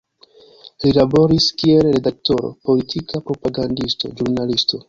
Li laboris kiel redaktoro, politika propagandisto, ĵurnalisto.